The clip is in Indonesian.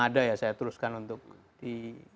ada ya saya teruskan untuk di